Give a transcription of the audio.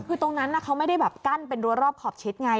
คือตรงนั้นเขาไม่ได้แบบกั้นเป็นรัวรอบขอบชิดไง